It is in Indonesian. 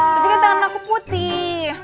tapi dia dalam laku putih